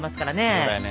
そうだよね。